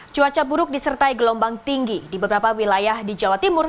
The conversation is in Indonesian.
cuaca buruk disertai gelombang tinggi di beberapa wilayah di jawa timur